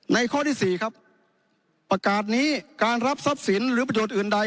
ข้อที่๔ครับประกาศนี้การรับทรัพย์สินหรือประโยชน์อื่นใด